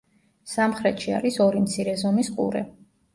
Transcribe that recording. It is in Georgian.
სამხრეთში არის ორი მცირე ზომის ყურე.